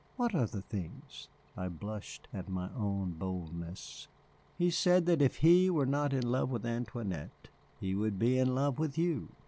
"What other things?" I blushed at my own boldness. "He said that if he were not in love with Antoinette, he would be in love with you."